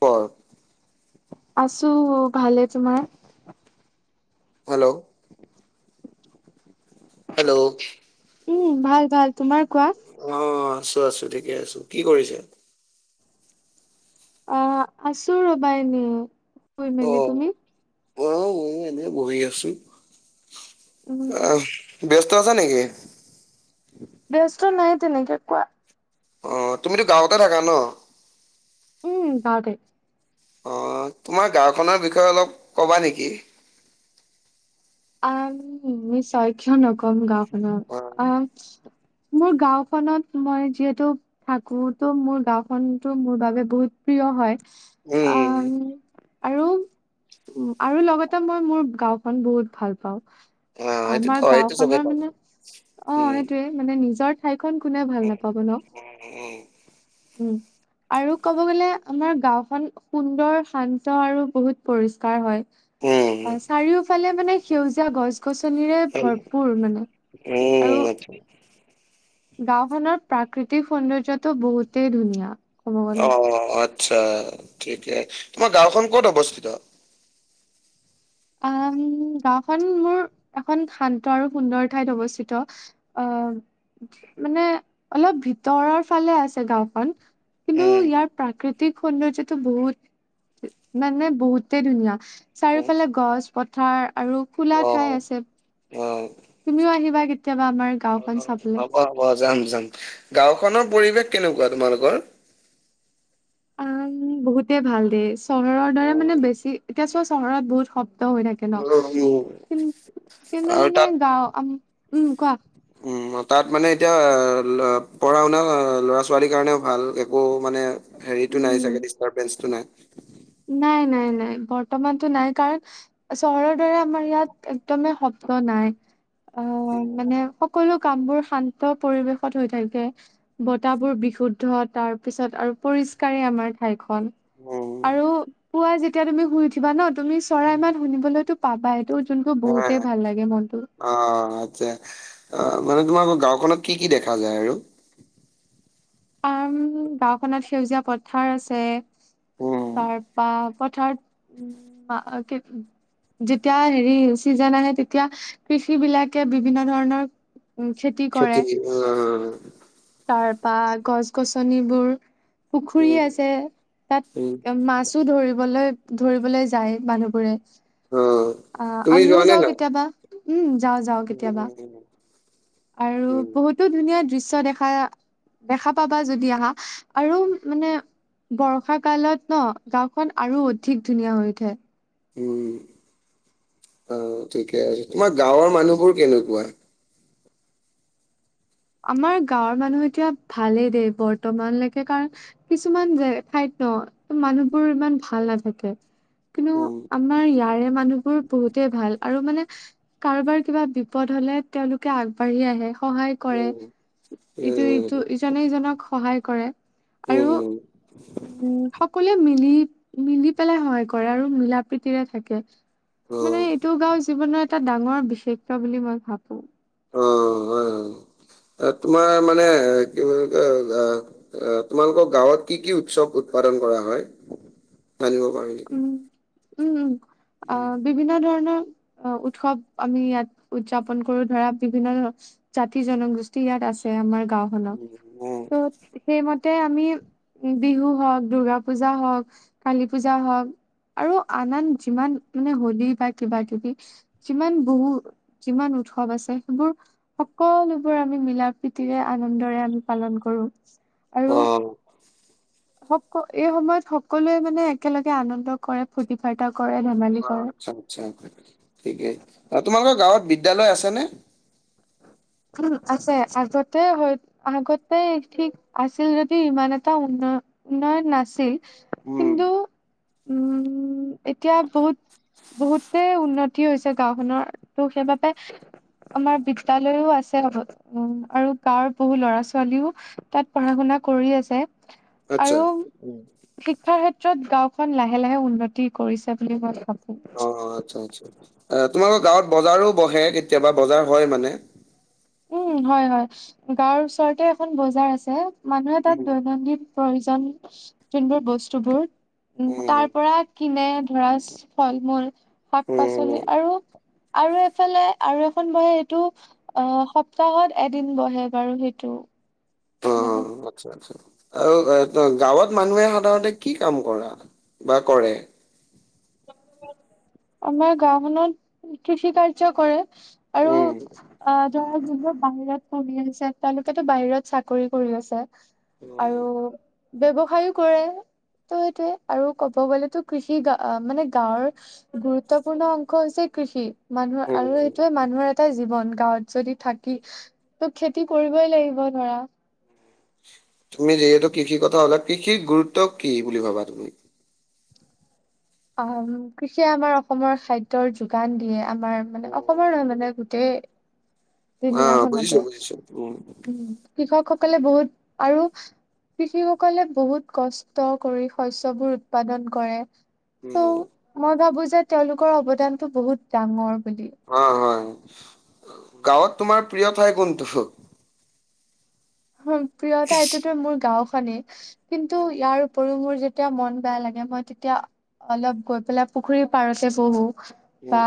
প আছোঁ ভালে। তোমাৰ? হেল্ল'। হেল্ল'। উম' ভাল ভাল। তোমাৰ কোৱা? অহ' আছোঁ আছোঁ ঠিকে আছোঁ। কি কৰিছা? অহ' আছো ৰবা এনেই শুই মেলি। তুমি? এনেই বহি আছোঁ উম আহ। ব্যস্ত আছো নেকি? ব্যস্ত নাই তেনেকে কোৱা? অহ' তুমিতো গাঁৱতে থাকা ন। উম' গাঁৱতে। অহ' তোমাৰ গাঁওখনৰ বিষয়ে অলপ কবা নেকি? আম নিশ্চয় কিয় নকম গাওখনৰ অ আ মোৰ গাঁওখনত মই যিহেতু থাকো তো মোৰ গাঁওখনতো মোৰ বাবে বহুত প্ৰিয় হয়। উম আম। আৰু আৰু লগতে মই মোৰ গাঁওখন বহুত ভাল পাওঁ। অ এইটোতো আমাৰ হয় এইটো চবেই গাওঁখনৰ পাব মানে অহ, উম সেইটোয়ে মানে নিজৰ খন কোনে ভাল উম নাপাব ন। উম'। আৰু ক'ব গ'লে আমাৰ গাওঁখন সুন্দৰ শান্ত আৰু বহুত পৰিস্কাৰ হয়। উম উম অ' চাৰিওফালে মানে সেউজীয়া গছ গছনিৰে ভৰপুৰ মানে। আৰু উমছ [unintelligible] গাঁওখনৰ প্ৰাকৃতিক সৌন্দৰ্যটো বহুতেই ধুনীয়া। ক'ব গ'লে। অ' আচ্ছা ঠিকে তোমাৰ গাঁওখন কত অৱস্থিত। [inaudible] উ গাওখন মোৰ এখন শান্ত আৰু সুন্দৰ ঠাইত অৱস্থিত অ'। মানে অলপ ভিতৰৰ ফালে আছে গাঁওখন। কিন্তু উম ইয়াৰ প্ৰাকৃতিক সৌন্দৰ্যটো বহুত মানে বহুতেই ধুনীয়া। উম চাৰিওফালে গছ, পথাৰ আৰু খোলা ঠাই আছে। তুমিও আহিবা কেতিয়াবা আমাৰ গাঁওখন অহ' চাবলে। হ'ব হ'ব যাম যাম গাঁওখনত পৰিৱেশ কেনেকুৱা তোমালোকৰ? ও বহুতে ভাল দে চহৰৰ দৰে মানে বেছি এতিয়া চোৱা চহৰত বহুত শব হৈ থাকে ন কি কিন্তু আৰু মানে তাত গাও উম কোৱা। উম তাত মানে এতিয়া পঢ়া শুনা ল'ৰা ছোৱালীৰ কাৰণেও ভাল একো মানে হেৰিটো নাই উম। চাগে ডিষ্টাৰবেন্সটো নাই। নাই, নাই, নাই বৰ্তমানতো নাই কাৰণ চহৰৰ দৰে আমাৰ ইয়াত একদমেই শব নাই অ' অ' মানে খুব সকলো কাম বোৰ শান্ত পৰিবেশত হৈ থাকে। বতাবোৰ বিশুদ্ধ তাৰ পিছত আৰু পৰিষ্কাৰেই আমাৰ ঠাইখন। উম। এতিয়া তুমি শুই উঠিবা ন তুমি চৰাই মাত শুনিবলৈতো পাবাই। টো যোনকো বহুতেই ভাল লাগে মনটো। আহ মানে তোমাৰ গাওখনত কি কি দেখা যায় আৰু অ' গাওখনত সেউজীয়া পথাৰ আছে উম তাৰপা [unintelligible] যেতিয়া হেৰি চিজন আহে তেতিয়া কৃষি বিলাকে বিভিন্ন ধৰণৰ উ খেতি কৰে। ঘৰ পা গছ গছনিবোৰ পুখুৰী উম আছে উম তাত মাছো ধৰিবলৈ ধৰিবলৈ যায় মানুহবোৰে অ আহ তুমি যোৱা আমিও নে যাওঁ নাই? কেতিয়াবা উম। যাওঁ যাওঁ উম কেতিয়াবা। উম আৰু উম বহুতো ধুনীয়া দৃশ্য দেখা দেখা পাবা যদি আহা। আৰু মানে বৰ্ষা কালত ন গাঁওখন আৰু অধিক ধুনীয়া হৈ উঠে। উম। অ' ঠিকে আছে তোমাৰ গাঁৱৰ মানুহবোৰ কেনেকুৱা? আমাৰ গাঁৱৰ মানুহ এতিয়া ভালেই দেই বৰ্তমানলৈকে কাৰণ কিছুমান যে ঠাইত। - ন মানুহবোৰ ইমান ভাল নাথাকে। কিন্তু উম আমাৰ ইয়াৰে মানুহবোৰ বহুতেই ভাল। আৰু মানে কাৰোবাৰ কিবা বিপদ হলে তেওঁলোকে আগবাঢ়ি আহে সহায়। - কৰে উম ইটো উম ইটো ইজনে সিজনক সহায়। কৰে আৰু উম উম উ সকলোৱে মিলি মিলি পেলাই সহায় কৰে আৰু মিলা প্ৰিতিৰে থাকে অ মানে এইটো গাঁও জিবনত এটা ডাঙৰ বিশেষত্ত বুলি মই ভাবো। অ' হয় তোমাৰ মানে কি বুলি কয় আহ তোমালোকৰ গাঁৱত কি কি উৎসৱ উৎপাদন কৰা হয়, জানিব পাৰি নেকি? উম, উম, উম, অ' বিভিন্ন ধৰণৰ অ' উৎসৱ আমি ইয়াত উদযাপন কৰো ধৰা বিভিন্ন জাতি-জনগোষ্ঠী ইয়াত আছে আমাৰ গাওখনত উম স [unintelligible] তে আমি বিহু হওক, দূৰ্গা পূজা হওক, কালী পূজা হওক আৰু আন আন যিমান মানে হোলী বা কিবা কিবি যিমান বহু যিমান উৎসৱ আছে সেইবোৰ [unintelligible] সকলোবোৰ আমি মিলা প্ৰীতিৰে আনন্দৰে আমি পালন কৰো অ আৰু স এই সময়ত সকলোৱে মানে একেলগে আনন্দ কৰে ফূৰ্তি ফাৰ্তা কৰে, ধেমালি কৰে। আচ্ছা, আচ্ছা, ঠিকেই। তোমালোকৰ গাঁৱত বিদ্যালয় আছে নে? উম, আছে। আগতে হয় আগতে ঠিক আছিল যদি ইমান এটা উন নাই নাছিল উম কিন্তু [inaudible] উম, এতিয়া বহুত বহুতে উন্নতি হৈছে গাঁওখনৰ। ত' সেইবাবে আমাৰ বিদ্যয়ালয়ও আগ [unintelligible] উম, আৰু গাঁৱৰ বহু ল'ৰা-ছোৱালীও তাত পঢ়া শুনা কৰি আছে। আচ্ছা আৰু শিক্ষা ক্ষেত্ৰ- ত গাঁওখন লাহে লাহে উন্নতি কৰিছে বুলি মই ভাব অ', আচ্ছা, আচ্ছা। তোমালোকৰ গাঁৱত বজাৰো বহে, কেতিয়াবা বজাৰ হয় মানে? উম, হয়, হয় গাঁৱৰ ওচৰতে এখন বজাৰ আছে। মানুহে তাত দৈনন্দিন প্ৰয়ো জন যোনবোৰ বস্তুবোৰ, উ উম তাৰ পৰা কিনে ধৰা ছ ফল-মূল, শাক-পাচলি উম, আৰু-আৰু এ ফালে আৰু এখন বহে, হেইটো অ', সপ্তাহত এদিন বহে বাৰু সেইটো। মানে অ', আচ্ছা, আচ্ছা। আৰু এ গাঁৱত মানুহে সাধাৰণতে কি কাম কৰা? বা কৰে? আমাৰ গাওখনত কৃষি কাৰ্য কৰে। আৰু উম, আ ধৰা যিবোৰ বাহিৰত পঢ়ি আছে, তেওঁলোকেতো বাহিৰত চাকৰি কৰি আছে। আৰু উম, ব্যৱসায়ো কৰে। ত সেইটোৱে আৰু ক'ব গ'লেতো কৃষি গা আ মানে গাঁৱৰ গুৰুত্বপূৰ্ণ অংশ হৈছে কৃষি। মানুহৰ আৰু উম, সেইটোয়ে মানুহৰ এটা জীৱন। গাঁৱত যদি থাকি, ত খেতি কৰিবই লাগিব ধৰা। তুমি যিহেতু কৃষিৰ কথা কলা। কৃষিৰ গুৰুত্ব কি বুলি ভাবা তুমি? আ, কৃষিয়ে আমাৰ অসমৰ খাদ্যৰ যোগান দিয়ে। আ আমাৰ মানে অসমৰ মানে গোটেই অ', দুুনীয়াখনতে বুজিছোঁ, বুজিছোঁ। উম, কৃষকসকলে বহুত আৰু কৃষিসকলে বহুত কষ্ট কৰি শস্যবোৰ উৎপাদন কৰে। ত' উম। মই ভাবো যে তেওঁলোকৰ অৱদানতটো বহুত ডাঙৰ। বুলি। হয়, হয়। গাঁৱত তোমাৰ প্ৰিয় ঠাই কোনটো? হম, প্ৰিয় ঠাইতোতো উম, মোৰ গাওঁখনে। কিন্তু ইয়াৰ উপৰিও মোৰ যে যেতিয়া মন বেয়া লাগে, মই তেতিয়া অলপ গৈ পেলাই পুখুৰীৰ পাৰতে বহো। বা উম,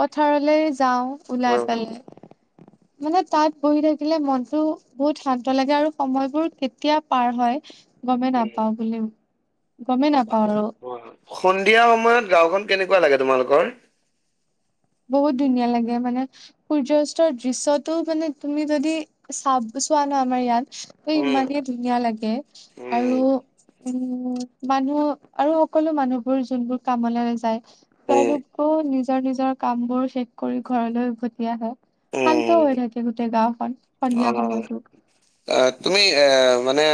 পথাৰলৈ যাওঁ হয়, ওলাই হয়, উম, পেলাই। মানে তাত বহি থাকিলে মনতো বহুত শান্ ন্ত লাগে আৰু সময়বোৰ কেতিয়া পাৰ হয় গমেই নাপাওঁ বুলি গমেই নাপাওঁ আৰু। হয়, হয়। সন্ধিয়া সময়ত গাওওখন কেনেকুৱা লাগে তোমালোকৰ? বহুত ধুনীয়া লাগে। মানে সূৰ্যাস্তৰ দৃশ্যটো মানে তুমি যদি চাব চোৱা ন আমাৰ ইয়াত ত উম, ইমানেই ধুনীয়া লাগে। আৰু উম, উম মানুহ আৰু সকলো মানুহবোৰ যোনবোৰ কামলৈৰে যায়, উম, তেওঁলোকো নিজ নিজৰ-নিজৰ কাম বোৰ শেষ কৰি ঘৰলৈ উভতি আহে। শান্ত উম, হৈ থাকে গোটেই গাওঁখন, সন্ধিয়া সময়তো। অ', তুমি এ মানে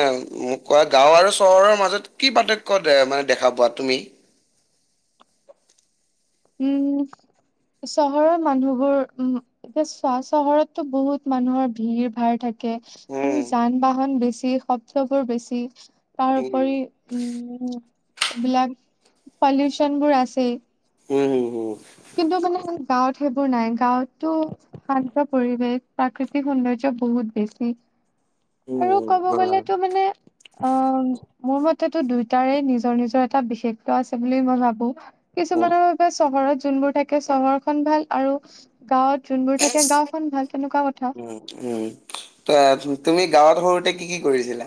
মোক কোৱা, গাওঁ আৰু চহৰৰ মাজত কি পাৰ্থক্য দে মানে দেখা পোৱা তুমি? উম চহৰৰ মানুহবোৰ উম, এতিয়া চোৱা চহৰতটো বহুত মানুহৰ ভিৰ ভাৰ থাকে। থাকে উম, আৰু যান বাহন বেছি শব্দবোৰ বেছি। উম, উম, তাৰপৰি উম, এইবিলাক পলিউচন বোৰ আছেই। উম, হুম, হুম, কিন্তু মানে গাঁৱত সেইবোৰ নাই। গাঁৱতটো শান্ত পৰিৱেশ, প্ৰাকৃতিক সৌন্দৰ্য্য বহুত বেছি। উম। আৰু ক'ব হয়। গ'লেতো মানে অ', [inaudible] মোৰ মতেটো দুয়টাৰে নিজৰ নিজৰ, এটা বিশেষ আছে বুলি মই ভাবো উম, কিছুমানৰ আকৌ চহৰত যোনবোৰ থাকে চহৰখন ভাল আৰু গাঁৱত যোনবোৰ থাকে গাঁওখন ভাল তেনেকুৱা কথা। উম, উম, ত' তুমি গাঁৱত সৰুতে কি কি কৰিছিলা?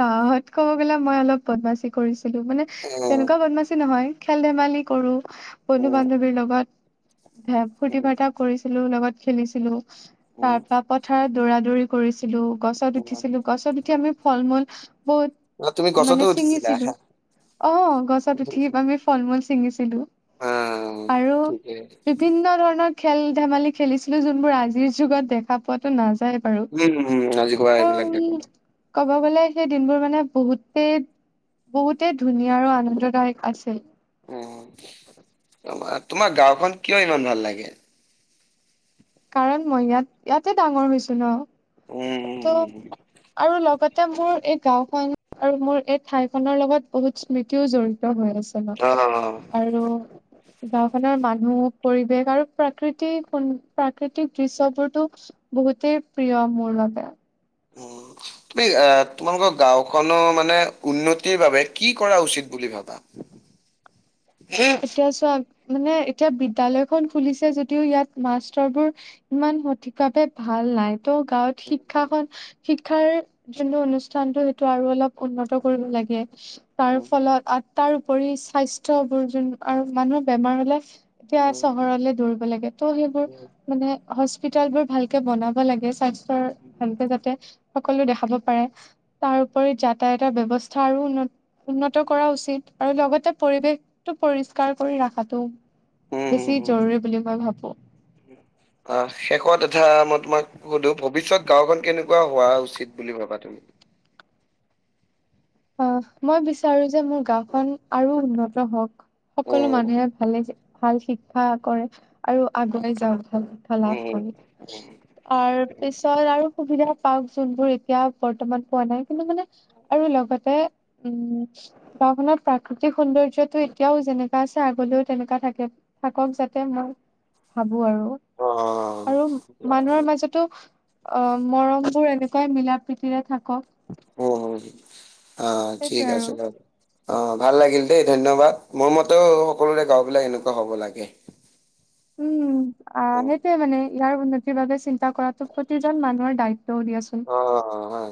গাঁৱত কব গ'লে মই অলপ বদমাছি কৰিছিলোঁ মানে উম, তেনেকুৱা বদমাছ নহয় খেল ধেমালি কৰো বন্ধু উম, বান্ধৱীৰ লগত। ফূৰ্তি উম, ফাৰ্তা কৰিছিলোঁ লগত খেলিছিলোঁ উম, তাৰ পৰা পথাৰত দৌৰা দৌৰি কৰিছিলোঁ। উছিলোঁ গছত উম। উঠিছিলোঁ গছত উঠি আমি ফল মূল বহুত অ' তুমি গছতো মানে উঠিছিলা? ছিঙিছিলোঁ অ', গছত উঠি আমি ফল মূল ছিঙিছিলোঁ। অ' আৰু ঠিকে। বিভিন্ন ধৰণৰ খেল ধেমালি খেলিছিলোঁ যোনবোৰ আজিৰ যুগত দেখা পোৱাতো নাযা নাযায় বাৰু উম, উম, আজিকবা এইবিলাক দেখা পাই। আৰু ক'ব গ'লে সেই দিনবোৰ মানে বহুতেই বহুতে ধুনীয়া আৰু আনন্দদায়ক আছিল। অ', ত' তোমাৰ গাঁওখন কিয় ইমান ভাল লাগে? [inaudible] কাৰণ মই ইয়াত ইয়াতে ডাঙৰ হৈছো উম, ন' উম, উম, উম। ত' আৰু লগত এতিয়া মোৰ এই গাঁও খন আৰু মোৰ এই ঠাই খনৰ লগত বহুত স্মৃতিও জড়িত হৈ আছে। ন' অ'। আৰু। গাঁওখনৰ মানুহ পৰিৱেশ আৰু প্ৰাকৃতিু প্ৰাকৃতিক দৃশ্যবোৰতো বহুতেই প্ৰিয় মোৰ বাবে। উম, তুমি এ তোমালোকৰ গাঁওখনৰ মানে উন্নতিৰ বাবে কি কৰা উচিত বুলি ভাবা? [inaudible] এতিয়া চোৱা মানে এতিয়া বিদ্যয়ালয়খন খুলিছে যদিও ইয়াত মাষ্টৰবোৰ ইমান সঠিক ভাৱে ভাল নাই। ত' গাঁৱত শিক্ষা খন শিক্ষাৰ যোনটো অনুষ্ঠানটো সেইটো আৰু অলপ উন্নত কৰিব লাগে। তাৰ ফলত তাৰ উপৰি স্বাস্থ্যয় বোৰজন আৰু মানুহৰ বেমাৰ হলে এতিয়া উম, চহৰলে দৌৰিব লাগে ত' সেইবোৰ মানে হস্পিতালবোৰ ভালকে বনাব লাগে স্বাস্থ্যৰ ভালকে যাতে সকলো দেখাব পাৰে তাৰ উপৰি যাতায়াতৰ ব্যৱস্থা আৰু উন্ন উন্নত কৰা উচিত আৰু লগতে পৰিৱেশটো পৰিষ্কাৰ কৰি ৰখাটো। হুম, বেছি হুম। জৰুৰী বুলি মই ভাবোঁ। কথা মই তোমাক সুধো ভৱিষ্যয়ত গাঁওখন কেনেকুৱা হোৱা উচিত বুলি ভবা তুমি? অ', মই বিচাৰো যে মোৰ গাঁওখন আৰু উন্নত হওঁক। সকলো উম, মানুহে ভালে ভাল শিক্ষা কৰে আৰু আগুৱাই যাওক। লাভ উম, কৰি উম, তাৰ উম। পিছত আৰু সুবিধা পাওক যোনবোৰ এতিয়া বৰ্তমান পোৱা নাই কিন্তু মানে আৰু লগত উম, গাঁওখনত প্ৰাকৃতিক সৌন্দৰ্যটো এতিয়াও যেনেকোৱা আছে আগলেও তেনেকোৱা থাকে। থাকক যাতে মই ভাবোঁ আৰু। অ'। আৰু মানুহৰ মাজতো অ মৰম বোৰ এনেকুৱাই মিলা প্ৰীতিৰে থাকক অ সেইটোৱে ঠিক আৰু আছে দ অ', ভাল লাগিল দেই ধন্যবাদ, মোৰ মতেও সকলোৰে গাঁওবলাক সেনেকুৱা হব লাগে। উম, আ, উম। সেইটোয়ে মানে ইয়াৰ উন্নতিৰ বাবে চিন্তা কৰাটো প্ৰতিজন মানুহৰ দায়ি দৌ দিয়াচোন। অ', হয়।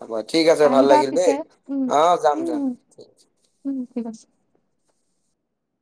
হ'ব ঠিক আছে ভাল আহিবা লাগিল দেই, পিছে উম অ', যাম উম যাম। উম উম ঠিক আছে